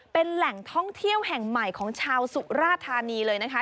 เป็นแหล่งท่องเที่ยวแห่งใหม่ของชาวสุราธานีเลยนะคะ